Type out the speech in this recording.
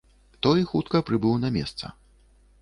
Той хутка прыбыў на месца.